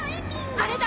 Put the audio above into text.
あれだ！